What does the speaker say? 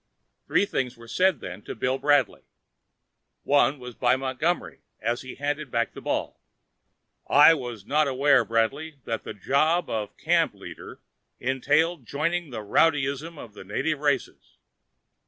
Three things were said then to Bill Bradley. One was by Montgomery as he handed back the ball. "I was not aware, Bradley, that the job of camp leader entailed joining the rowdyism of the native races."